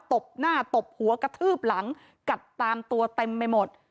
ตบหน้าตบหัวกระทืบหลังกัดตามตัวเต็มไปหมด